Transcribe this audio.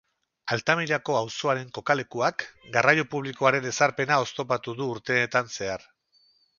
Altamirako auzoaren kokalekuak, garraio publikoaren ezarpena oztopatu du urteetan zehar.